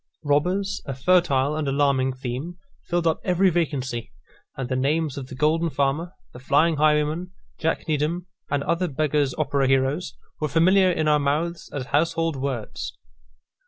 Robbers, a fertile and alarming theme, filled up every vacancy; and the names of the Golden Farmer, the Flying Highwayman, Jack Needham, and other Beggars' Opera heroes, were familiar in our mouths as household words.